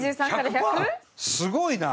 すごいな。